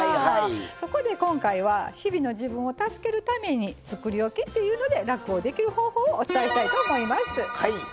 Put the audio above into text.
そこで今回は日々の自分を助けるためにつくりおきというので楽をできる方法をお伝えしたいと思います。